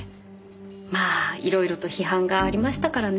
まあ色々と批判がありましたからね。